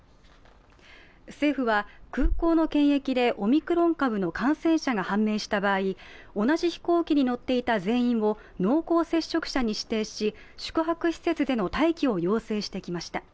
政府は空港の検疫でオミクロン株の感染者が判明した場合同じ飛行機に乗っていた全員を濃厚接触者に指定し宿泊施設での待機を要請してきました。